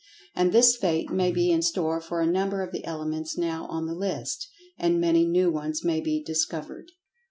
And this fate may be in store for a number of the elements now on the list—and many new ones may be discovered.